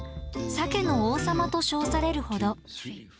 「鮭の王様」と称されるほど。